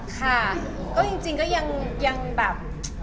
ค่ะก็จริงก็ยังแบบ